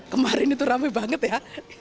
kemarin itu rame banget ya